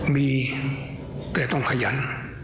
มีแต่ต้องขยัน